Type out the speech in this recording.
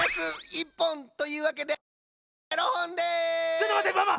ちょっとまってママ！